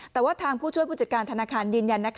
แต่ว่าทางผู้ช่วยผู้จัดการธนาคารยืนยัน